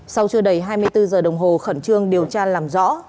sau chưa đầy hai mươi bốn giờ đồng hồ khẩn trương điều tra làm rõ